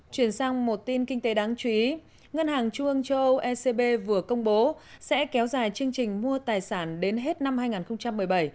chuyển sang một tin kinh tế đáng chú ý ngân hàng trung ương châu âu ecb vừa công bố sẽ kéo dài chương trình mua tài sản đến hết năm hai nghìn một mươi bảy